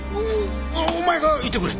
お前が行ってくれ！